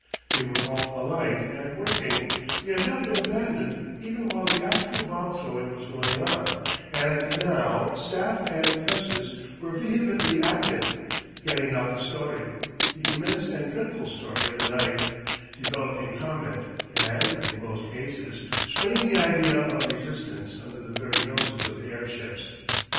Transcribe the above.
They were all alight and working; they had not been abandoned even while the actual bomb throwing was going on, and now staff and presses were vehemently active, getting out the story, the immense and dreadful story of the night, developing comment and, in most cases, spreading the idea of resistance under the very noses of the airships.